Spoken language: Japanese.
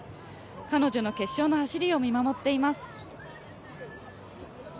彼女の決勝の走りを見守っています。